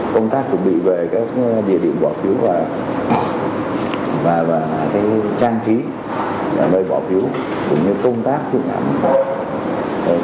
công tác chuẩn bị về các địa điểm bỏ phiếu và trang trí nơi bỏ phiếu